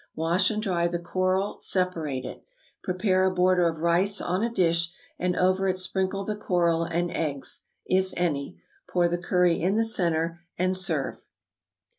Wash and dry the coral, separate it. Prepare a border of rice on a dish, and over it sprinkle the coral and eggs (if any); pour the curry in the centre, and serve.